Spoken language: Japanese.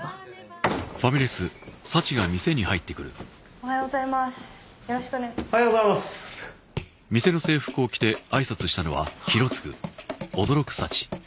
おはようございますよろしくおねおはようございますはっ？